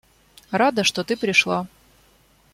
Рада, что ты пришла.